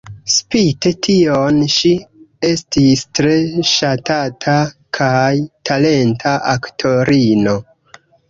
Spite tion, ŝi estis tre ŝatata kaj talenta aktorino.